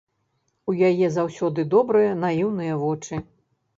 У яе заўсёды добрыя, наіўныя вочы.